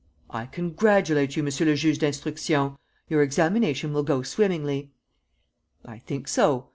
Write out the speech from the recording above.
"I congratulate you, Monsieur le Juge d'Instruction. Your examination will go swimmingly." "I think so.